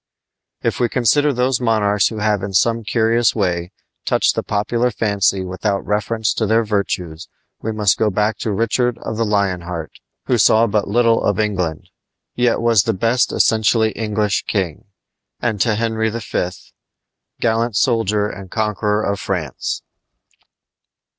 If we consider those monarchs who have in some curious way touched the popular fancy without reference to their virtues we must go back to Richard of the Lion Heart, who saw but little of England, yet was the best essentially English king, and to Henry V., gallant soldier and conqueror of France.